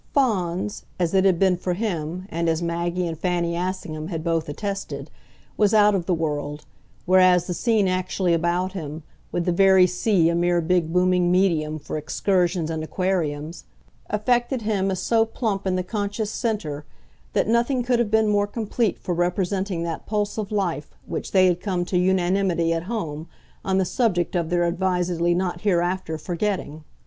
Fawns, as it had been for him, and as Maggie and Fanny Assingham had both attested, was out of the world, whereas the scene actually about him, with the very sea a mere big booming medium for excursions and aquariums, affected him as so plump in the conscious centre that nothing could have been more complete for representing that pulse of life which they had come to unanimity at home on the subject of their advisedly not hereafter forgetting.